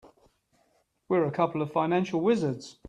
We're a couple of financial wizards.